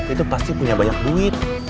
itu pasti punya banyak duit